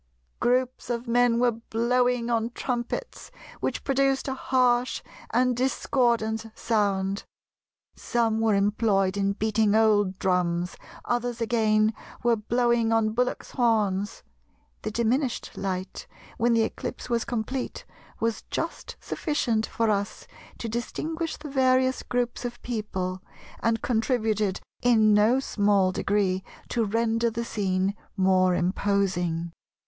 Groups of men were blowing on trumpets, which produced a harsh and discordant sound; some were employed in beating old drums, others again were blowing on bullocks' horns.... The diminished light, when the eclipse was complete, was just sufficient for us to distinguish the various groups of people, and contributed in no small degree to render the scene more imposing.